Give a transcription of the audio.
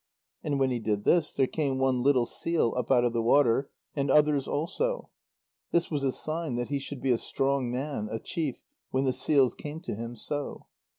And when he did this, there came one little seal up out of the water, and others also. This was a sign that he should be a strong man, a chief, when the seals came to him so.